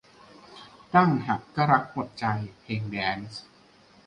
ดั้งหักก็รักหมดใจ เพลงแดนซ์